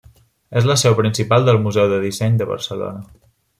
És la seu principal del Museu del Disseny de Barcelona.